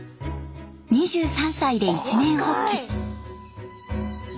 ２３歳で一念発起。